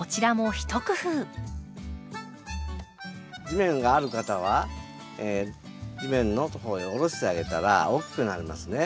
地面がある方は地面のところへおろしてあげたら大きくなりますね。